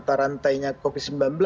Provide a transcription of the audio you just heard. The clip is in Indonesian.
untuk rantainya covid sembilan belas